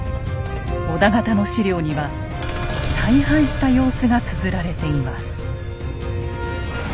織田方の史料には大敗した様子がつづられています。